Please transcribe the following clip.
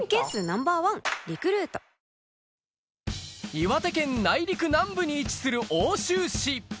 岩手県内陸南部に位置する奥州市